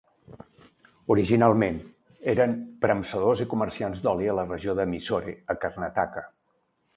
Originalment, eren premsadors i comerciants d'oli a la regió de Mysore a Karnataka.